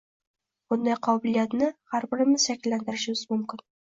Bunday qobiliyatni har birimiz shakllantirishimiz mumkin